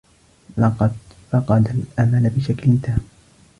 لقد فقد الأمل بشكل تام.